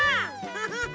フフフ！